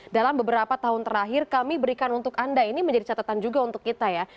dalam beberapa tahun terakhir kami berikan untuk anda ini menjadi catatan juga untuk kita ya